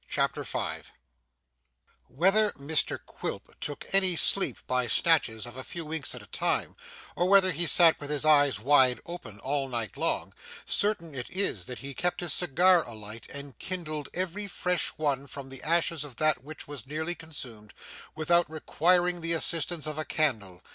CHAPTER 5 Whether Mr Quilp took any sleep by snatches of a few winks at a time, or whether he sat with his eyes wide open all night long, certain it is that he kept his cigar alight, and kindled every fresh one from the ashes of that which was nearly consumed, without requiring the assistance of a candle.